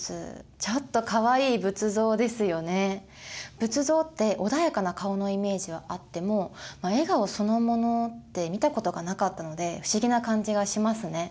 仏像って穏やかな顔のイメージはあっても笑顔そのものって見たことがなかったので不思議な感じがしますね。